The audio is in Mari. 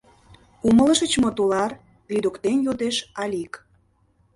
— Умылышыч мо, тулар? — лӱдыктен йодеш Алик.